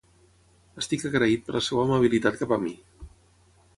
Estic agraït per la seva amabilitat cap a mi.